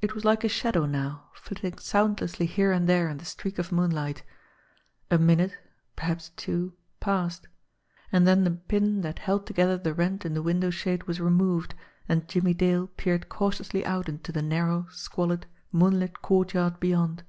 It was like a shadow now flitting soundlessly here and there in the streak of moonlight. A minute, perhaps two, passed ; and then the pin that held together the rent in the window shade was removed, and Jimmie Dale peered cautiously out into the narrow, squalid, moonlit courtyard beyond.